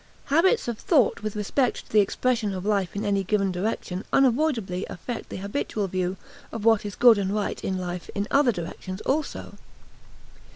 Habits of thought with respect to the expression of life in any given direction unavoidably affect the habitual view of what is good and right in life in other directions also.